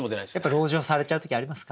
籠城されちゃう時ありますか？